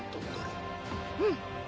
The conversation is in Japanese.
うん。